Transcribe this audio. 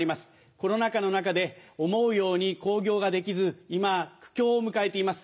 コロナ禍の中で思うように興行ができず今苦境を迎えています。